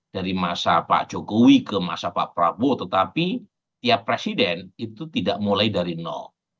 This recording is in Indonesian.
dari masa pak jokowi ke masa pak prabowo tetapi ya presiden itu tidak mulai dari nol